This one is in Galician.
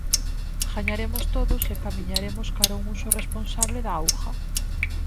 Gañaremos todos e camiñaremos cara a un uso responsable da auga.